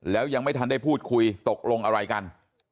แล้วยังไม่ทันได้พูดคุยตกลงอะไรกัน